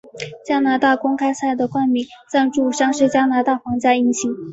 加拿大公开赛的冠名赞助商是加拿大皇家银行。